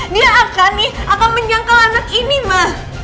dia akan nih akan menyangkal anak ini ma